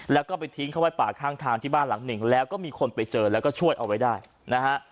แล้วก็ไปทิ้งเข้าไว้ป่าข้างทางที่บ้านหลังหนึ่งแล้วก็มีคนไปเจอแล้วก็ช่วยเอาไว้ได้นะฮะ